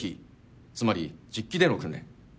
つまり実機での訓練。